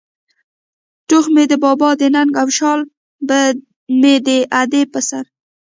توغ مې د بابا د ننگ او شال مې د ادې په سر